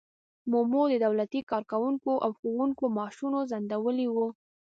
مومو د دولتي کارکوونکو او ښوونکو معاشونه ځنډولي وو.